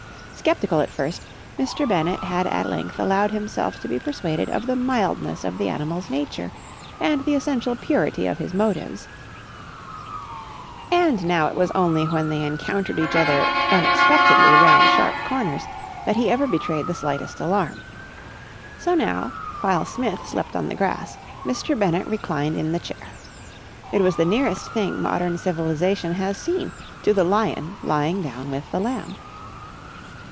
Sceptical at first, Mr. Bennett had at length allowed himself to be persuaded of the mildness of the animal's nature and the essential purity of his motives; and now it was only when they encountered each other unexpectedly round sharp corners that he ever betrayed the slightest alarm. So now, while Smith slept on the grass, Mr. Bennett reclined in the chair. It was the nearest thing modern civilisation has seen to the lion lying down with the lamb.